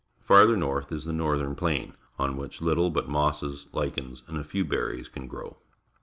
Farther North is the Northern Plain, on which little but mosses, lichens, and a few berries can grow.